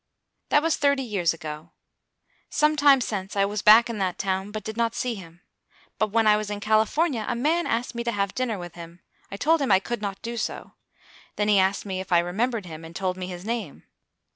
That was thirty years ago. Some time since I was back in that town, but did not see him. But when I was in California, a man asked me to have dinner with him. I told him I could not do so. Then he asked me if I remembered him, and told me his name.